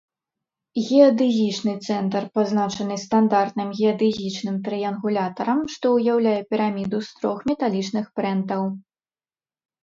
Геадэзічны цэнтр пазначаны стандартным геадэзічным трыянгулятарам, што ўяўляе піраміду з трох металічных прэнтаў.